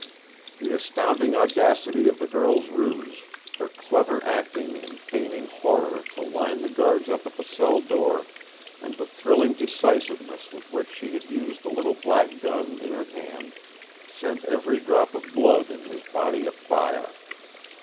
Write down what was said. The astounding audacity of the girl's ruse, her clever acting in feigning horror to line the guards up at the cell door and the thrilling decisiveness with which she had used the little black gun in her hand set every drop of blood in his body afire.